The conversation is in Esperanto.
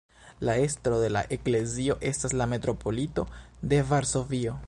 La estro de la eklezio estas la metropolito de Varsovio.